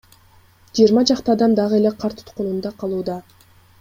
Жыйырма чакты адам дагы эле кар туткунунда калууда.